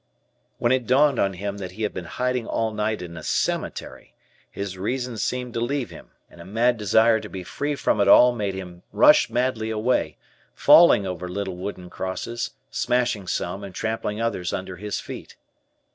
When it dawned on him that he had been hiding all night in a cemetery, his reason seemed to leave him, and a mad desire to be free from it all made him rush madly away, falling over little wooden crosses, smashing some and trampling others under his feet.